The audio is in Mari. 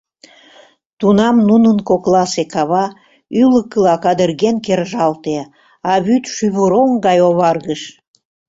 Тунам нунын кокласе кава ӱлыкыла кадырген кержалте, а вӱд шӱвыроҥ гай оваргыш.